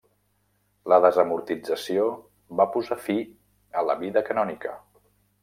La desamortització va posar fi a la vida canònica.